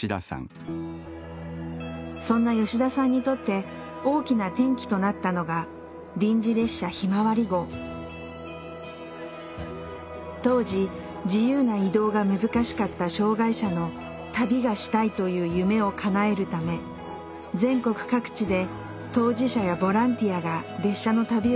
そんな吉田さんにとって大きな転機となったのが当時自由な移動が難しかった障害者の「旅がしたい」という夢をかなえるため全国各地で当事者やボランティアが列車の旅を企画。